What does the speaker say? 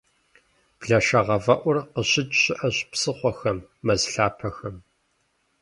Блэшэгъэфӏэӏур къыщыкӏ щыӏэщ псыхъуэхэм, мэз лъапэхэм.